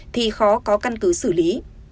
thì khó có căn cứ xử lý